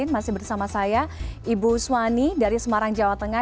masih bersama saya ibu suwani dari semarang jawa tengah